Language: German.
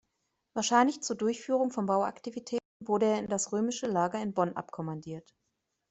Wahrscheinlich zur Durchführung von Bauaktivitäten wurde er in das römische Lager in Bonn abkommandiert.